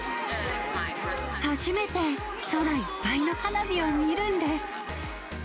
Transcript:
初めて、空いっぱいの花火を見るんです。